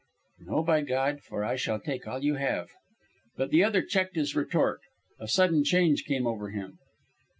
"No, by God, for I shall take all you have." But the other checked his retort. A sudden change came over him.